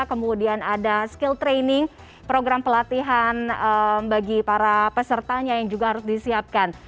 kemudian ada skill training program pelatihan bagi para pesertanya yang juga harus disiapkan